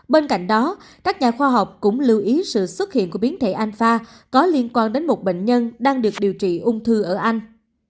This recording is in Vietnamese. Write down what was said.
bên cạnh đó các nhà khoa học cũng lưu ý sự xuất hiện của biến thể anfa có liên quan đến một bệnh nhân đang được điều trị ung thư ở anh